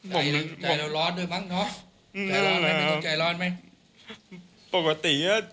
ใจร้อนด้วยมั้งเนอะใจร้อนไหมมีใจร้อนไหม